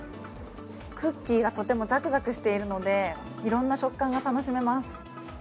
クッキーがとてもザクザクしてるのでいろんな食感が楽しめます。